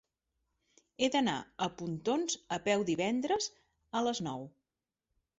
He d'anar a Pontons a peu divendres a les nou.